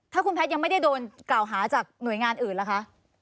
ถ้าคุณแพทย์ยังไม่ได้โดนกล่าวหาจากหน่วยงานอื่นล่ะคะ